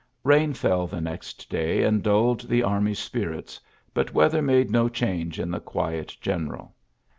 '^ Eain fell the next day and dulled the army's spirits, but weather made no change in the quiet general.